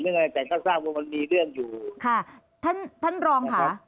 อะไรแต่ก็ทราบว่ามันมีเรื่องอยู่ค่ะท่านท่านรองค่ะ